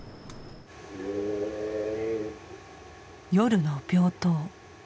夜の病棟。